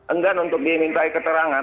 enggan untuk diminta keterangan